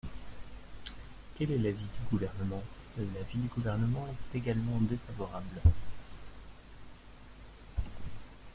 Quel est l’avis du Gouvernement ? L’avis du Gouvernement est également défavorable.